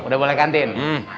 sudah boleh kantin